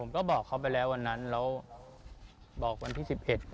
ก็บอกเขาไปแล้ววันนั้นแล้วบอกวันที่๑๑